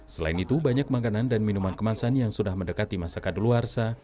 selain itu banyak makanan dan minuman kemasan yang sudah mendekati masa kaduluarsa